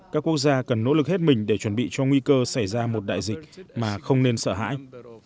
các quốc gia cần nỗ lực hết mình để chuẩn bị cho nguy cơ xảy ra một đại dịch mà không nên sợ hãi